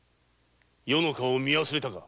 余の顔を見忘れたか！